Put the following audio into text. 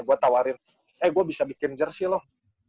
gue tawarin eh gue bisa bikin jersi loh